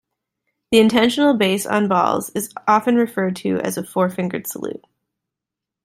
The intentional base on balls is often referred to as a four-fingered salute.